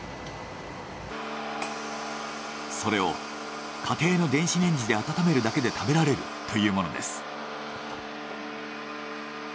それを家庭の電子レンジで温めるだけで食べられるというものです。